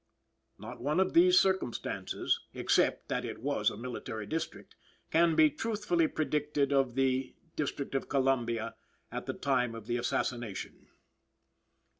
Not one of which circumstances (except that it was a military district) can be truthfully predicated of the District of Columbia at the time of the assassination.